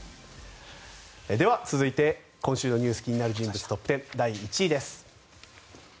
では、続いて今週のニュース気になる人物トップ１０第１位です。